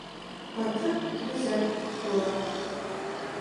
Баҭыр дҩызан, дгәылан.